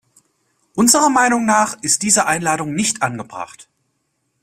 Unserer Meinung nach ist diese Einladung nicht angebracht.